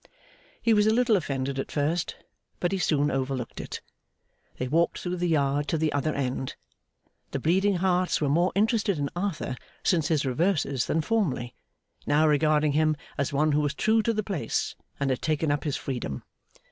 He was a little offended at first, but he soon overlooked it. They walked through the Yard to the other end. The Bleeding Hearts were more interested in Arthur since his reverses than formerly; now regarding him as one who was true to the place and had taken up his freedom.